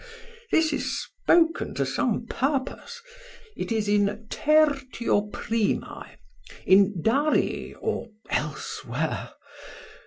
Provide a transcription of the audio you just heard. This is spoken to some purpose. It is in tertio primae, in Darii, or elsewhere.